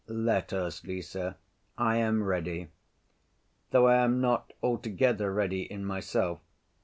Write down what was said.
"Let us, Lise; I am ready. Though I am not altogether ready in myself.